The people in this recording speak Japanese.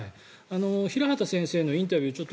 平畑先生のインタビュー